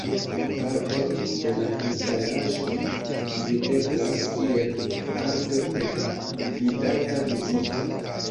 Parto de la instalaĵo videblas kiel parto de gvidata vizito.